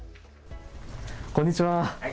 こんにちは。